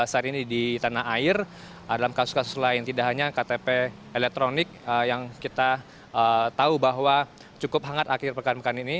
saat ini di tanah air dalam kasus kasus lain tidak hanya ktp elektronik yang kita tahu bahwa cukup hangat akhir pekan pekan ini